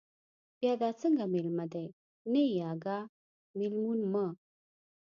بیا دا څنگه مېلمه دے، نه يې اگاه، مېلمون مه